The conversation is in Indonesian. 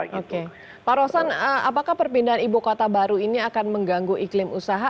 oke pak rosan apakah perpindahan ibu kota baru ini akan mengganggu iklim usaha